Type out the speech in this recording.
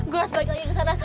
gue harus balik lagi ke sana